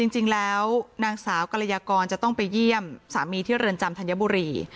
จริงแล้วนางสาวกรยากรจะต้องไปเยี่ยมสามีที่เรือนจำธัญบุรี